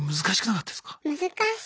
難しかったです